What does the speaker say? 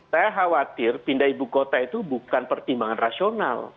saya khawatir pindah ibu kota itu bukan pertimbangan rasional